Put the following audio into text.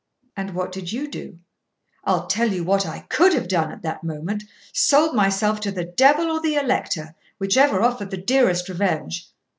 'And what did you do?' 'I'll tell you what I COULD have done at that moment sold myself to the devil or the Elector, whichever offered the dearest revenge.